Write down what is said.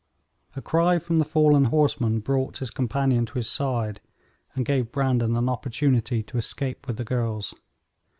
A cry from the fallen horseman brought his companion to his side, and gave Brandon an opportunity to escape with the girls.